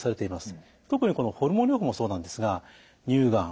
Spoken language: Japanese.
特にこのホルモン療法もそうなんですが乳がん